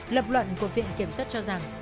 lập luận của viện kiểm soát cho rằng